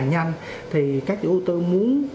nhanh thì các chủ tư muốn